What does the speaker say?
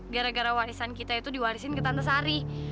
gara gara warisan kita itu diwarisin ke tante sari